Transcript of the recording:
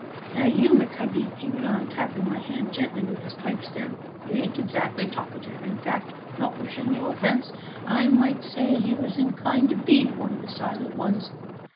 now you, my covey," he went on, tapping my hand gently with his pipe stem, "you ain't exactly talkative, in fact not wishin' no offense, I might say as you was inclined to be one o' the Silent Ones.